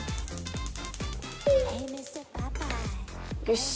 よし！